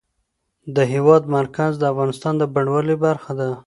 د هېواد مرکز د افغانستان د بڼوالۍ برخه ده.